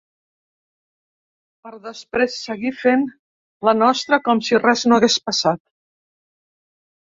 Per després seguir fent la nostra com si res no hagués passat.